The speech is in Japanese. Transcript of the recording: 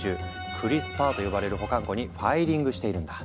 「クリスパー」と呼ばれる保管庫にファイリングしているんだ。